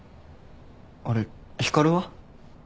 あれっ光は？